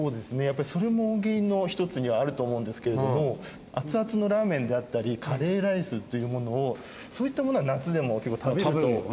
やっぱりそれも原因の一つにはあると思うんですけれども熱々のラーメンであったりカレーライスっていうものをそういったものは夏でも結構食べると思うんですよね。